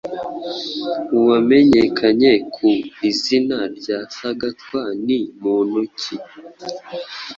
uwamenyekanye ku izina rya Sagatwa ni muntu ki